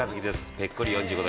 ぺっこり４５度。